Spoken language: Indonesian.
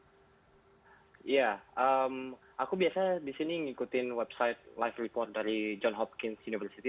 iya aku biasanya di sini ngikutin website live report dari john hopkins university